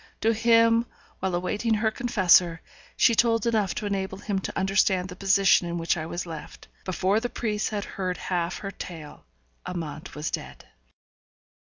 To him, while awaiting her confessor, she told enough to enable him to understand the position in which I was left; before the priest had heard half her tale Amante was dead.